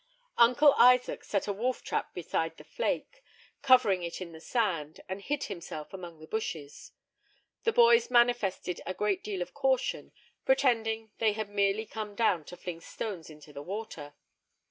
Page 207.] Uncle Isaac set a wolf trap beside the flake, covering it in the sand, and hid himself among the bushes. The boys manifested a great deal of caution, pretending they had merely come down to fling stones into the water.